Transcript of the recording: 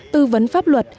tư vấn pháp luật